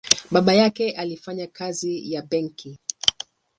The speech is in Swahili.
Babake alifanya kazi ya benki.